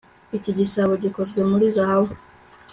Iki gisabo gikozwe muri zahabu